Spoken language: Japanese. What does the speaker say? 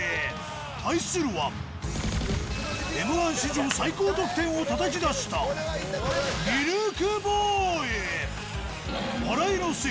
対するは、Ｍー１史上最高得点をたたき出した、ミルクボーイ。